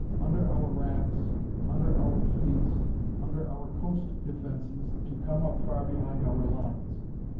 Under our rafts, under our fleets, under our coast defenses to come up far behind our lines.